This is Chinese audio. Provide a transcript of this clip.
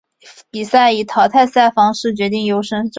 比赛以淘汰赛方式决定优胜者。